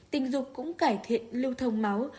tình dục cũng cải thiện lưu thông máu